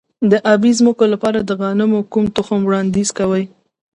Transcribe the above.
د ابي ځمکو لپاره د غنمو کوم تخم وړاندیز کوئ؟